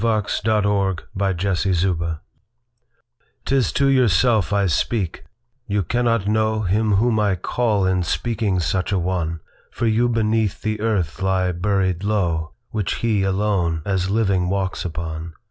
By JonesVery 287 Yourself 'T IS to yourself I speak; you cannot knowHim whom I call in speaking such a one, For you beneath the earth lie buried low, Which he, alone, as living walks upon.